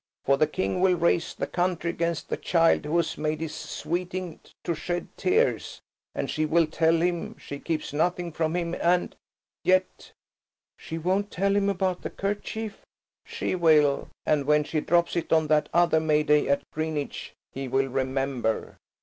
For the King will raise the country against the child who has made his sweeting to shed tears. And she will tell him, she keeps nothing from him, and ... yet–" "She won't tell him about the kerchief?" "She will, and when she drops it on that other May day at Greenwich he will remember.